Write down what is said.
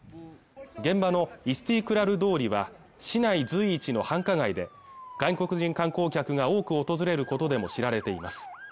現場のイスティクラル通りは市内随一の繁華街で外国人観光客が多く訪れることでも知られています